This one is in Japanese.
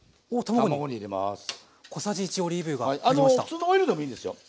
普通のオイルでもいいですよ。